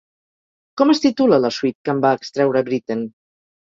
Com es titula la suite que en va extreure Britten?